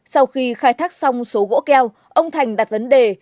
sau khi khai thác xong số gỗ keo ông thành đặt vấn đề